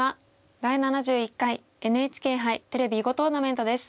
「第７１回ＮＨＫ杯テレビ囲碁トーナメント」です。